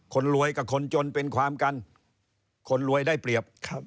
คนรวยกับคนจนเป็นความกันคนรวยได้เปรียบ